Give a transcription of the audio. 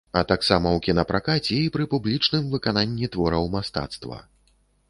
А таксама ў кінапракаце і пры публічным выкананні твораў мастацтва.